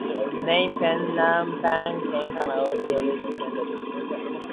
The name "Penampang" came from an old village within the district.